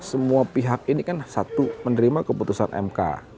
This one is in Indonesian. semua pihak ini kan satu menerima keputusan mk